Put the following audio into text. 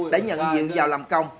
đã nhận diệu vào làm công